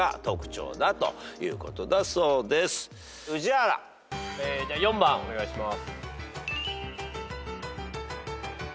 じゃあ４番お願いします。